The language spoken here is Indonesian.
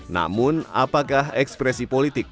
namun apakah ekspresi politik